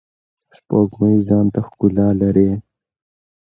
سپوږمۍ ځانته ښکلا لری.